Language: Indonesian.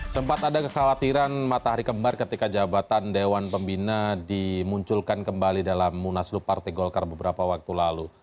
sempat ada kekhawatiran matahari kembar ketika jabatan dewan pembina dimunculkan kembali dalam munaslup partai golkar beberapa waktu lalu